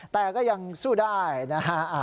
แต่ก็ยังสู้ได้นะฮะ